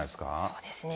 そうですね。